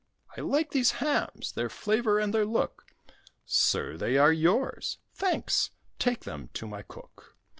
"I like these hams, their flavour and their look." "Sir, they are yours." "Thanks: take them to my cook."